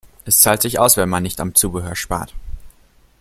Es zahlt sich aus, wenn man nicht am Zubehör spart.